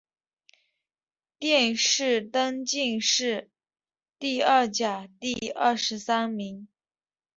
殿试登进士第二甲第二十三名。